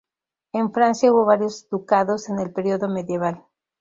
En Francia hubo varios ducados en el periodo medieval.